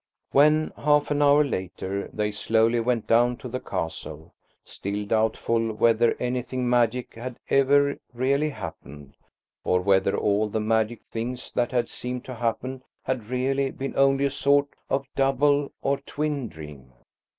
..... When, half an hour later, they slowly went down to the castle, still doubtful whether anything magic had ever really happened, or whether all the magic things that had seemed to happen had really been only a sort of double, or twin, dream.